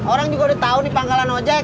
orang juga udah tau nih panggalan ojek